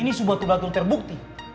ini sebatu batu yang terbukti